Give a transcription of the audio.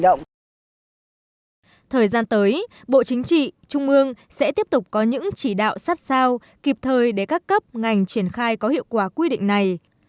thời gian tới bộ chính trị trung ương sẽ tiếp tục có những chỉ đạo sát sao kịp thời để các cấp ngành triển khai có hiệu quả quy định này